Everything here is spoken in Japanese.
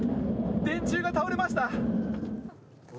電柱が倒れました。